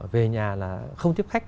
về nhà là không tiếp khách